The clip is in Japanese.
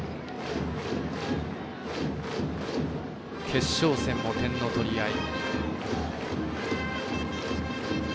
決勝戦も点の取り合い。